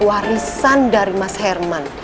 warisan dari mas herman